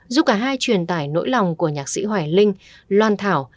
giúp cả hai truyền tải nỗi lòng của nhạc sĩ hoài linh loan thảo